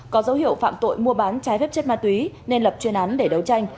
có dấu hiệu phạm tội mua bán trái phép chất ma túy nên lập chuyên án để đấu tranh